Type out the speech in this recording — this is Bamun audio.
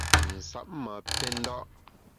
Nsab ma pè nda’.